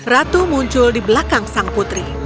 ratu muncul di belakang sang putri